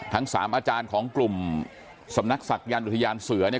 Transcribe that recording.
ทั้ง๓อาจารย์ของกลุ่มสำนักศักยันต์อุทยานเสือเนี่ย